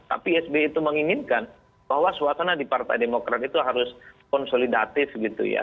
tapi sbi itu menginginkan bahwa suasana di partai demokrat itu harus konsolidatif gitu ya